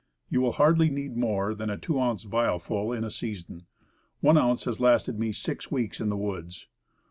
You will hardly need more than a two ounce vial full in a season. One ounce has lasted me six weeks in the woods.